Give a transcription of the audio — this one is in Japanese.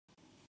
宮城県村田町